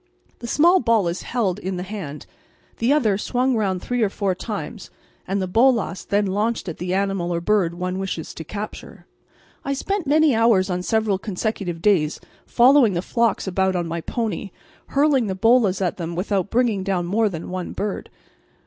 The small ball is held in the hand, the other swung round three or four times and the bolas then launched at the animal or bird one wishes to capture. I spent many hours on several consecutive days following the flocks about on my pony, hurling the bolas at them without bringing down more than one bird.